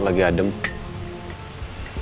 lagi enak suasananya